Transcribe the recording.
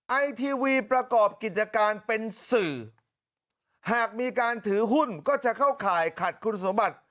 ไอทีวีประกอบกิจการเป็นสื่อหากมีการถือหุ้นก็จะเข้าข่ายขัดคุณสมบัติ